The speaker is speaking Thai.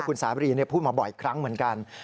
คุณสาบรีพูดมาบ่อยครั้งเหมือนกัน